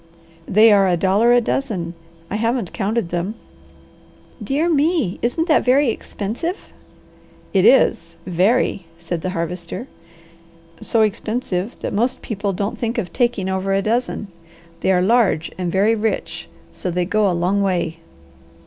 "They are a dollar a dozen; I haven't counted them." "Dear me! Isn't that rather expensive?" "It is. Very!" said the Harvester. "So expensive that most people don't think of taking over a dozen. They are large and very rich, so they go a long way."